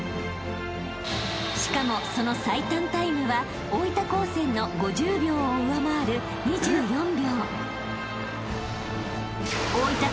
［しかもその最短タイムは大分高専の５０秒を上回る２４秒］